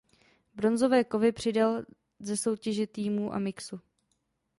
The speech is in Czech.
Bronzové kovy přidal ze soutěže týmů a mixu.